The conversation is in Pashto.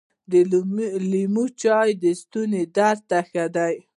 د لیمو چای د ستوني درد ته ښه دي .